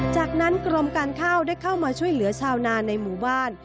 จากนั้นกรมการข้าวได้เข้ามาช่วยเหลือชาวนาในหมู่บ้าน